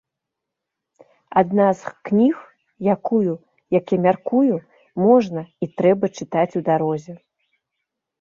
Адна з кніг, якую, як я мяркую, можна і трэба чытаць у дарозе.